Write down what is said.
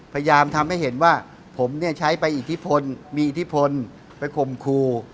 พยายามทำให้เห็นว่าผมเนี่ยใช้ไปอิทธิพลมีอิทธิพลไปข่มครู